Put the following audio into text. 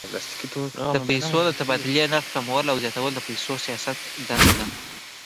د پیسو د تبادلې نرخ کمول او زیاتول د پیسو د سیاست دنده ده.